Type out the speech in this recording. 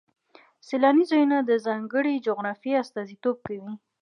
سیلاني ځایونه د ځانګړې جغرافیې استازیتوب کوي.